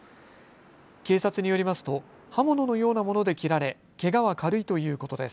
警察によりますと刃物のようなもので切られけがは軽いということです。